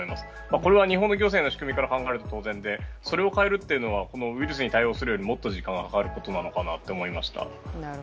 これは日本の行政の仕組みを考えると当然でそれを変えるというのはウイルスに対応するよりもっと時間がかかることなのかなと思いました。